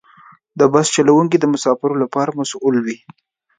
د بس چلوونکي د مسافرو لپاره مسؤل وي.